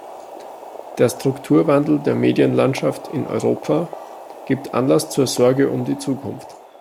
Der Strukturwandel der Medienlandschaft in Europa gibt Anlass zur Sorge um die Zukunft.